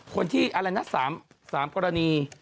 ๑คนที่๓กรณี